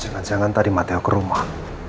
jangan jangan tadi mata ke rumah